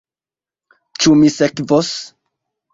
Ĉu mi sekvos?